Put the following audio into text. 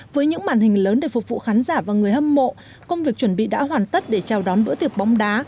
với những màn hình lớn để phục vụ khán giả và người hâm mộ công việc chuẩn bị đã hoàn tất để chào đón bữa tiệc bóng đá